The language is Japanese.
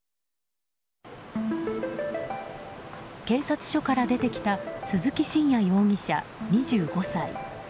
警察署から出てきた鈴木真也容疑者、２５歳。